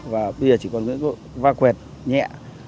và bây giờ chỉ còn vang quẹt nhẹ